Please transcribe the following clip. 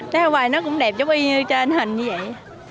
thế hôm qua nó cũng đẹp chút y như trên hình như vậy